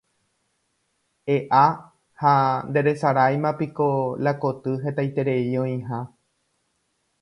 E'a, ha nderesaráimapiko la koty hetaiterei oĩha